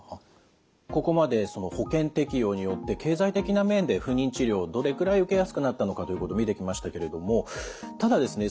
ここまで保険適用によって経済的な面で不妊治療をどれくらい受けやすくなったのかということ見てきましたけれどもただですね